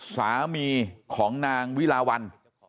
สามีของนางวิลาวัน